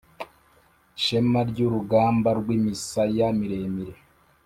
shema ryurugambarwimisaya miremire"